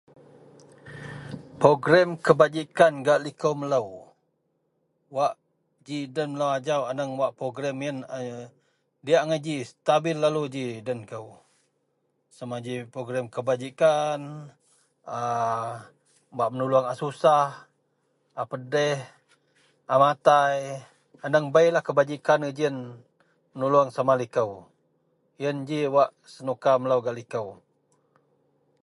Perogerem kebajikan gak likou melou wak ji den melou ajau aneng wak perogerem yen diyak angai ji, setabil lalu ji den kou. Sama ji perogerem kebajikan, a bak menuluong a susah, a pedeh, a matai. Aneng beilah kebajikan gejiyen menuluong sama likou. Yen ji wak senuka melou gak likou.